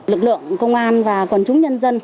lực lượng công an và quần chúng nhân dân